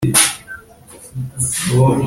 Rwego rw ubutegetsi ingana n amafaranga